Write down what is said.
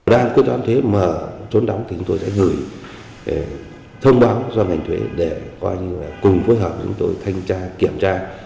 đang quyết toán thuế mở trốn đóng thì chúng tôi sẽ gửi thông báo do ngành thuế để cùng phối hợp chúng tôi thanh tra kiểm tra